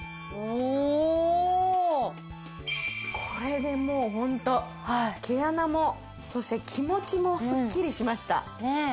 これでもうホント毛穴もそして気持ちもスッキリしました。